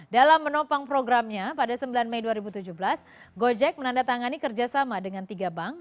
dalam menopang programnya pada sembilan mei dua ribu tujuh belas gojek menandatangani kerjasama dengan tiga bank